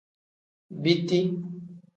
Biti.